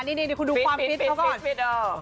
นี่คุณดูความฟิตเพราะว่า